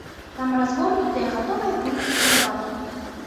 Там разгорнутыя гатовыя пункты кіравання.